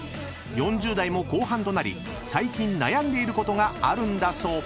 ［４０代も後半となり最近悩んでいることがあるんだそう］